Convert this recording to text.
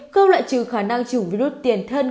các loại trừ khả năng chủng virus tiền thân